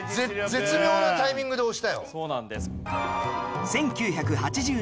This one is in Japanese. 絶妙なタイミングで押したよ。